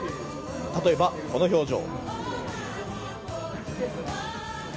例えば、この表情。